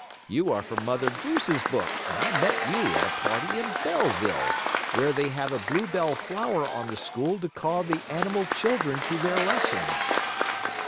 You are from Mother Goose's book and I met you at a party in Belleville, where they have a bluebell flower on the school to call the animal children to their lessons."